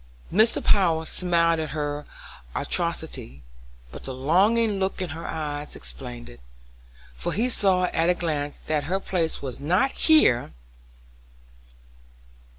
Mr. Power smiled at her alacrity, but the longing look in her eyes explained it, for he saw at a glance that her place was not here.